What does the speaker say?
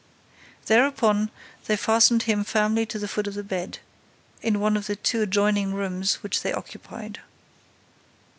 Thereupon, they fastened him firmly to the foot of a bed, in one of the two adjoining rooms which they occupied.